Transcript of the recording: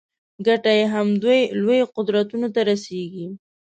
ګټه یې همدوی لویو قدرتونو ته رسېږي.